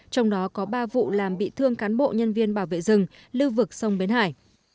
trong đó có ba vụ làm bị thương cán bộ nhân viên bảo vệ rừng lưu vực sông bến hải